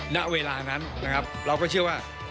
ณเวลานั้นนะครับเราก็เชื่อว่า